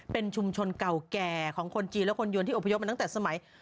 เป็นชุมชนเก่าแก่ของคนจีนและคนยวนที่อพยพมาตั้งแต่สมัย